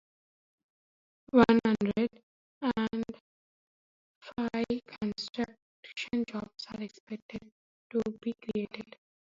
One hundred and fifty construction jobs are expected to be created.